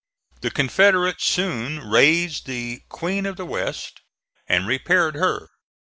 The Confederates soon raised the Queen of the West, (*11) and repaired her.